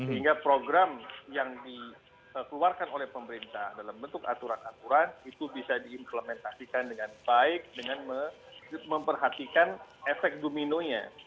sehingga program yang dikeluarkan oleh pemerintah dalam bentuk aturan aturan itu bisa diimplementasikan dengan baik dengan memperhatikan efek dominonya